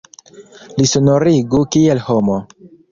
Li sonorigu kiel homo.